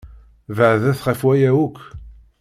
Beɛdet ɣef waya akk!